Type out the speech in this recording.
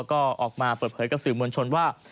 ก็ออกมาเปิดเผยกับสื่อมวลชนว่า